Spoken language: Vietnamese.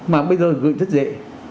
mà bây giờ gửi rất dễ